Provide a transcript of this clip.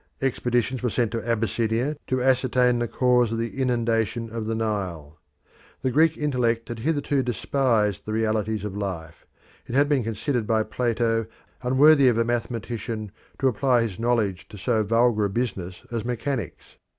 Expeditions were sent to Abyssinia to ascertain the cause of the inundation of the Nile. The Greek intellect had hitherto despised the realities of life: it had been considered by Plato unworthy of a mathematician to apply his knowledge to so vulgar a business as mechanics.